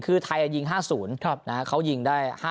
คือไทยยิง๕๐นะครับเขายิงได้๕๑